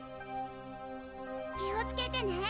気をつけてね。